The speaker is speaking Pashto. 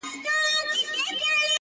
د کیسې اصلي محرک هغه وخت شروع شې